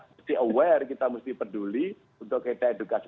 kita harus berpikir kita harus peduli untuk kita edukasi